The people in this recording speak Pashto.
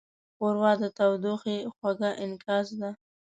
ښوروا د تودوخې خوږه انعکاس ده.